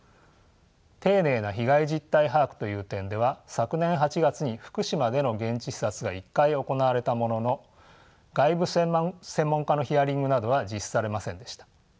丁寧な被害実態把握という点では昨年８月に福島での現地視察が一回行われたものの外部専門家のヒアリングなどは実施されませんでした。